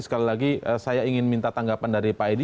sekali lagi saya ingin minta tanggapan dari pak edi